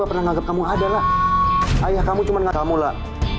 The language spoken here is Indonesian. pernah nganggep kamu adalah ayah kamu cuman kamu lah